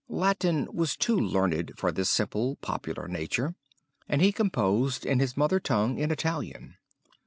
Latin was too learned for this simple, popular nature, and he composed in his mother tongue, in Italian.